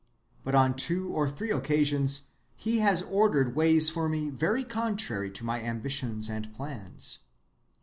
But on two or three occasions he has ordered ways for me very contrary to my ambitions and plans."